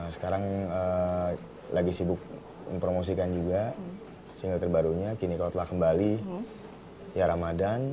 sekarang lagi sibuk mempromosikan juga single terbarunya kini telah kembali ya ramadan